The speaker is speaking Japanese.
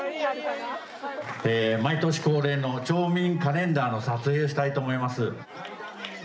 毎年恒例の町民カレンダーの撮影をしたいと思います。